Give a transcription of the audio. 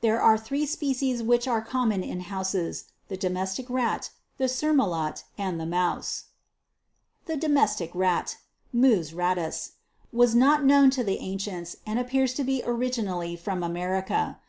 There are three species which are common in houses, the Domestic Rat, the Surmulot, and the Mouse. 34. The Domestic Rat, Mvs Rattus, was not known to the ancients, and appears to be originally from America.